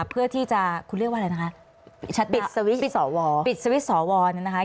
เพื่อที่จะคุณเรียกว่าอะไรนะคะปิดสวิทธิ์สอวนะคะ